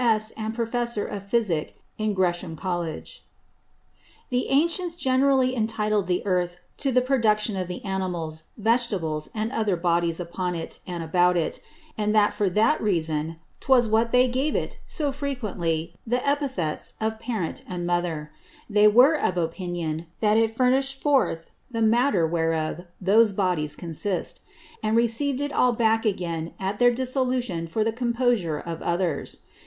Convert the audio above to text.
S. and Professor of Physick in Gresham College._ The Ancients generally intitled the Earth to the Production of the Animals, Vegetables, and other Bodies upon and about it; and that for that Reason 'twas, that they gave it so frequently the Epithets of Parent and Mother. They were of opinion, that it furnished forth the Matter whereof those Bodies consist; and receiv'd it all back again at their Dissolution for the Composure of others.